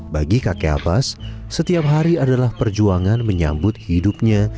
bagi kakek abbas setiap hari adalah perjuangan menyambut hidupnya